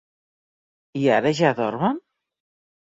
I ara ja dormen?